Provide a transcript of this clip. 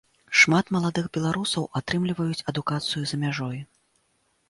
Шмат маладых беларусаў атрымліваюць адукацыю за мяжой.